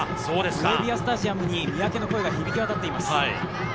ノエビアスタジアムに三宅の声が響き渡っています。